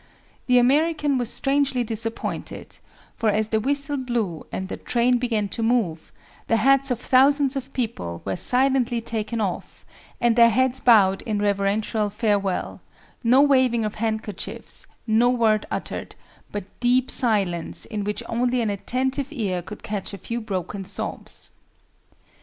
The American was strangely disappointed; for as the whistle blew and the train began to move, the hats of thousands of people were silently taken off and their heads bowed in reverential farewell; no waving of handkerchiefs, no word uttered, but deep silence in which only an attentive ear could catch a few broken sobs.